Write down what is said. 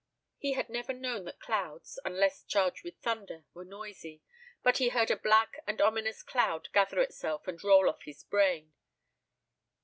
He had never known that clouds, unless charged with thunder, were noisy. But he heard a black and ominous cloud gather itself and roll off his brain.